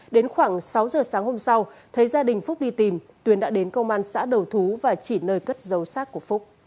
đến khoảng sáu giờ sáng hôm sau thấy gia đình phúc đi tìm tuyến đã đến công an xã đầu thú và chỉ nơi cất giấu